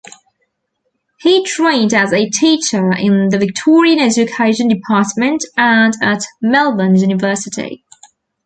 He trained as a teacher in the Victorian Education Department and at Melbourne University.